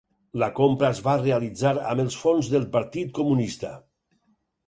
La compra es va realitzar amb els fons del Partit Comunista.